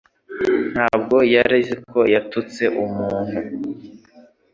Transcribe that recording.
ntabwo yari azi ko yatutse umuntu.